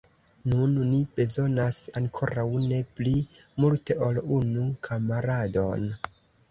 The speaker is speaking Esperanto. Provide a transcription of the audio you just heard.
Nun ni bezonas ankoraŭ ne pli multe ol unu kamaradon!